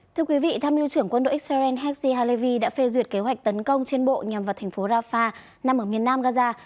thưa quý vị tham mưu trưởng quân đội israel hezi halevi đã phê duyệt kế hoạch tấn công trên bộ nhằm vào thành phố rafah nằm ở miền nam gaza